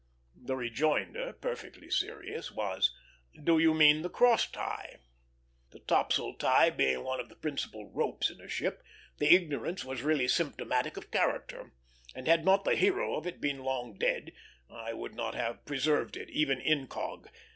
The rejoinder, perfectly serious, was: "Do you mean the cross tie?" The topsail tie being one of the principal "ropes" in a ship, the ignorance was really symptomatic of character; and had not the hero of it been long dead, I would not have preserved it, even incog.